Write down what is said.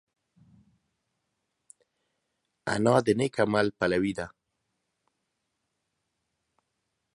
انا د نېک عمل پلوي ده